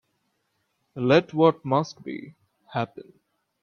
Let what must be, happen.